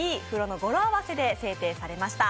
１１２６の語呂合わせで制定されました。